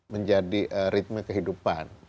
menjadi ritme kehidupan